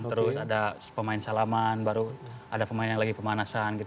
terus ada pemain salaman baru ada pemain yang lagi pemanasan gitu